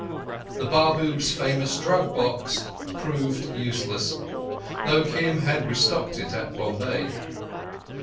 The Babu's famous drug box proved useless, though Kim had restocked it at Bombay.